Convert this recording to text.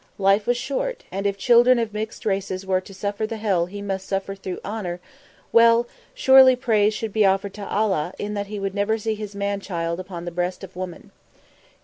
Life was short, and if children of mixed races were to suffer the hell he must suffer through honour, well, surely praise should be offered to Allah in that he would never see his man child upon the breast of woman.